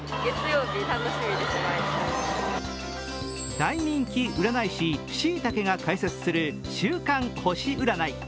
大人気占い師、しいたけが解説する週間星占い。